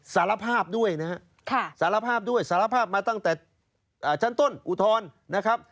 สารภาพด้วยนะฮะสารภาพด้วยสารภาพมาตั้งแต่ชั้นต้นอุทธรณ์นะครับ